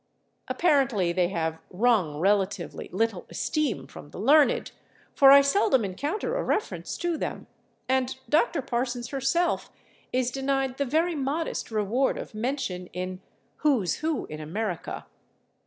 Apparently they have wrung relatively little esteem from the learned, for I seldom encounter a reference to them, and Dr. Parsons herself is denied the very modest reward of mention in "Who's Who in America."